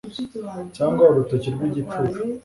cyangwa urutoki rwigicucu